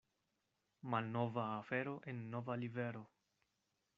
Malnova afero en nova livero.